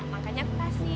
makanya aku kasih percaya